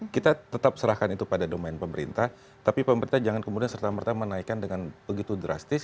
kita tetap serahkan itu pada domain pemerintah tapi pemerintah jangan kemudian serta merta menaikkan dengan begitu drastis